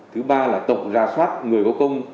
thứ ba là tổng ra soát người hữu công